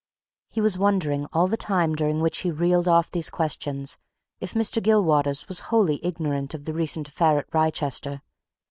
He was wondering, all the time during which he reeled off these questions, if Mr. Gilwaters was wholly ignorant of the recent affair at Wrychester.